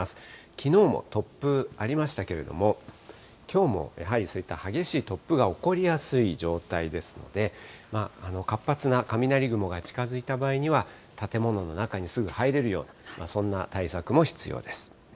きのうも突風ありましたけれども、きょうもやはりそういった激しい突風が起こりやすい状態ですので、活発な雷雲が近づいた場合には、建物の中にすぐ入れるように、そんな対策も必要です。